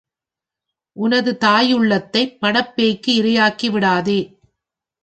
உனது தாயுள்ளத்தைப் பணப் பேய்க்கு இரையாக்கி விட்டாயே!